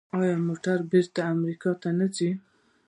آیا موټرې بیرته امریکا ته نه ځي؟